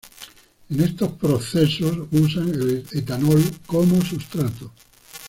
En estos procesos usan el etanol como sustrato.